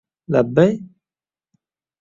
— Labbay?